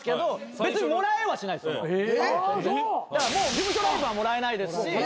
事務所ライブはもらえないですし。